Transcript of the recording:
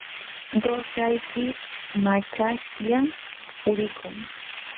qusayki machashllam purikun.